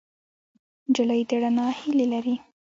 نجلۍ د رڼا هیلې لري.